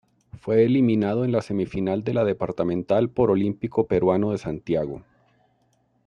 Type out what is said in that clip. Fue eliminado en la semifinal de la Departamental por Olímpico Peruano de Santiago.